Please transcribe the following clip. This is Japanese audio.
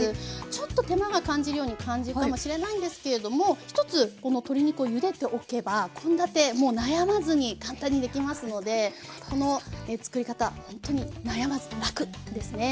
ちょっと手間を感じるように感じるかもしれないんですけれども１つこの鶏肉をゆでておけば献立もう悩まずに簡単にできますのでこの作り方ほんっとに悩まずラク！ですね。